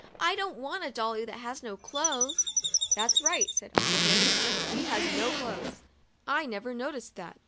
I don't want a dolly that has no clothes!' "That's right," said Uncle Harry, "she has no clothes. I never no ticed that."